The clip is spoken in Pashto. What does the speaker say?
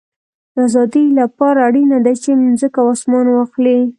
د آزادۍ له پاره اړینه ده، چي مځکه او اسمان واخلې.